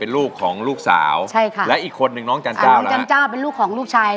ลูกของลูกสาวใช่ค่ะและอีกคนนึงน้องจันเจ้าน้องจันเจ้าเป็นลูกของลูกชาย